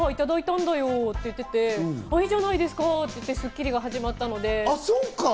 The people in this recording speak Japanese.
その当時、朝の番組のオファーいただいたんだよって言ってて、あれじゃないですかって言って、『スッキリ』が始まったんで。